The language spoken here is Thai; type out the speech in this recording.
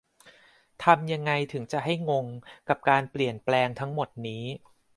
ทำยังไงถึงจะให้งง กับ การเปลี่ยนแปลงทั้งหมดนี้